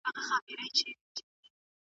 هغه وویل چي پښتون د صداقت او رښتینولۍ نښه ده.